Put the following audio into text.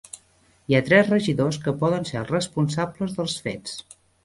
Hi ha tres regidors que poden ser els responsables dels fets.